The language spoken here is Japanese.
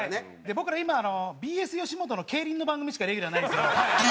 僕ら今ＢＳよしもとの競輪の番組しかレギュラーないんですよ。